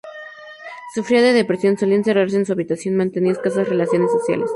Sufría de depresión, solía encerrarse en su habitación, mantenía escasas relaciones sociales.